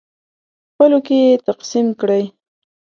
خپلو کې یې تقسیم کړئ.